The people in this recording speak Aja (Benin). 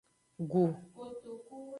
Gu.